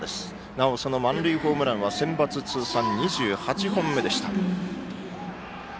なお、その満塁ホームランはセンバツ通算２８本目でした。